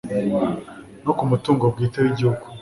no ku mutungo bwite w'igihugu